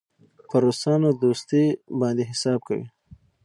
پر روسانو دوستي باندې حساب کوي.